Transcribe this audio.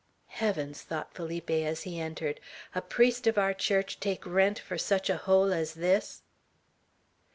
"Heavens!" thought Felipe, as he entered, "a priest of our Church take rent for such a hole as this!"